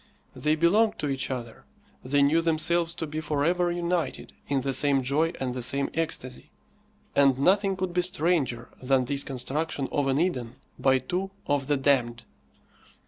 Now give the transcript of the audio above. They belonged to each other; they knew themselves to be for ever united in the same joy and the same ecstasy; and nothing could be stranger than this construction of an Eden by two of the damned.